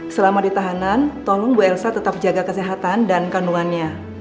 selama ditahanan tolong bu elsa tetap jaga kesehatan dan kandungannya